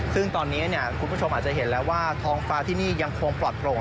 ซึ่งตอนนี้คุณผู้ชมอาจจะเห็นแล้วว่าท้องฟ้าที่นี่ยังคงปลอดโปร่ง